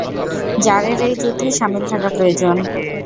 জারের এই যুদ্ধে শামিল থাকা প্রয়োজন।